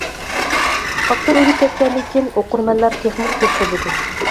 ئاپتور ئۆلۈپ كەتكەندىن كېيىن ئوقۇرمەنلەر تېخىمۇ كۆپ بولىدۇ.